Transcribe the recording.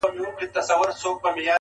چي د کڼو غوږونه وپاڅوي!!